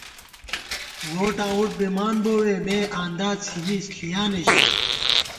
ووٹاں وُٹ بِمانبووے مے ، آندا څِھنی ݪِیانے ژِی